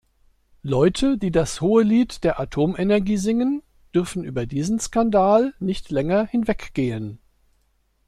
Leute, die das Hohelied der Atomenergie singen, dürfen über diesen Skandal nicht länger hinweggehen.